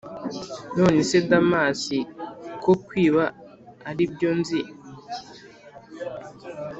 nonese damas, ko kwiba aribyo nzi,